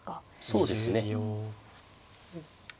そうですね。